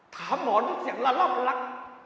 ถามหมอดูเสียงละล่อมรัก